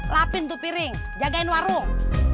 lapin tuh piring jagain warung